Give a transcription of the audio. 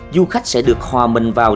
du khách sẽ được hòa mình vào